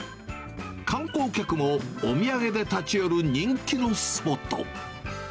観光客もお土産で立ち寄る人気のスポット。